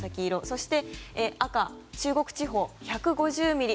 そして、赤の中国地方１５０ミリ。